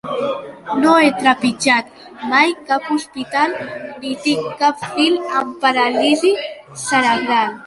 No he trepitjat mai cap hospital ni tinc cap fill amb paràlisi cerebral.